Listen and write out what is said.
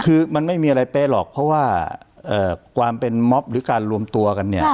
คือมันไม่มีอะไรเป๊ะหรอกเพราะว่าความเป็นม็อบหรือการรวมตัวกันเนี่ย